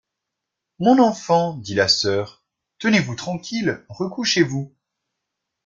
Mon enfant, dit la soeur, tenez-vous tranquille, recouchez-vous.